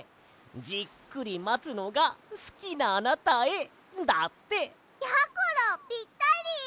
「じっくりまつのがすきなあなたへ」だって！やころぴったり！